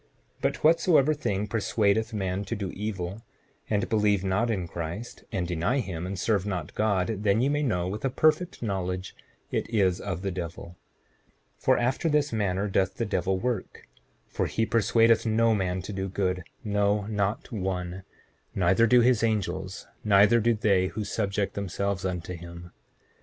7:17 But whatsoever thing persuadeth men to do evil, and believe not in Christ, and deny him, and serve not God, then ye may know with a perfect knowledge it is of the devil; for after this manner doth the devil work, for he persuadeth no man to do good, no, not one; neither do his angels; neither do they who subject themselves unto him.